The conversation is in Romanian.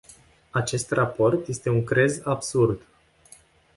Acest raport este un crez absurd.